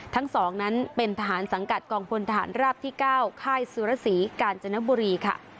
ทั้ง๒นั้นเป็นทหารสังกัดกองพลทหารราบที่๙ค่ายสุรสีกาญจนบุรีค่ะ